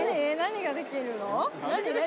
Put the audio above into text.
何？